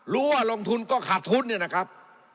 รู้ว่าลงทุนก็ขาดทุนเนี่ยนะครับ